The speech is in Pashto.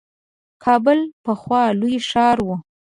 کابل پخوا لوی ښار وو.